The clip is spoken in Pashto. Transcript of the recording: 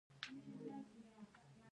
آیا ډاکټران مسلکي دي؟